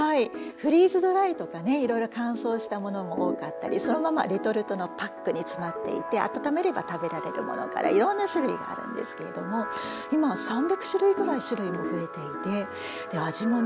フリーズドライとかねいろいろ乾燥したものも多かったりそのままレトルトのパックに詰まっていて温めれば食べられるものからいろんな種類があるんですけれども今は３００種類ぐらい種類も増えていて味もね